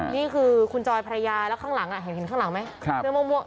นี่คือคุณจอยภรรยาแล้วข้างหลังเห็นข้างหลังไหม